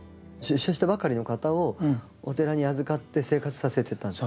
出所したばかりの方をお寺に預かって生活させてた？